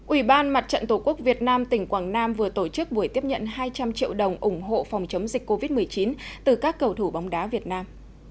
ủy ban mặt trận tổ quốc việt nam tỉnh quảng nam vừa tổ chức buổi tiếp nhận hai trăm linh triệu đồng ủng hộ phòng chống dịch covid một mươi chín từ các cầu thủ bóng đá việt nam